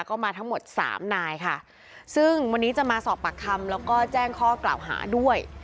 ก็มาทั้งหมดสามนายค่ะซึ่งวันนี้จะมาสอบปากคำแล้วก็แจ้งข้อกล่าวหาด้วย